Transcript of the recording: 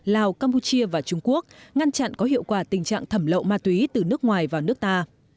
lào campuchia và trung quốc ngăn chặn có hiệu quả tình trạng thẩm lậu ma túy từ nước ngoài vào nước ta